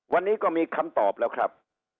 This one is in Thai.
วันนี้ก็มีคำตอบแล้วครับ